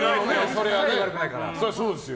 そりゃそうですよ。